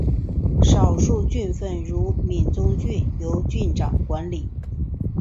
少数郡份如闽中郡由君长管理。